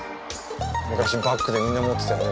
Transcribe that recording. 昔バッグでみんな持ってたよね